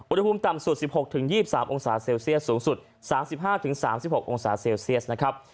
อุณหภูมิต่ำสุดสิบหกถึงยี่สิบสามองศาเซลเซียสสูงสุดสามสิบห้าถึงสามสิบหกองศาเซลเซียสนะครับ